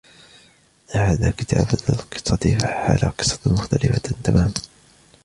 أعاد كتابة القصة فأحالها قصة مختلفة تمامًا.